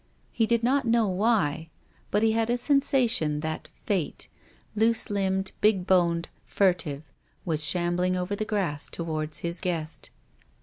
He did not know why, but he had a sensation that Fate, loose limbed, big boned, furtive, was shambling over the grass towards his guest.